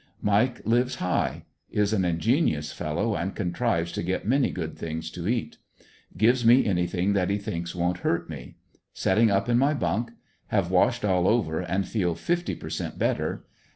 Mike lives high. Is an ingenious fellow and contrives to get many good things to eat. Gives me anything that he thinks won't hurt me. Setting up in my bunk. Have washed all over and feel fifty per cent, better.